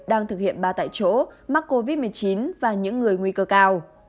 đang thực hiện ba tại chỗ mắc covid một mươi chín và những người nguy cơ cao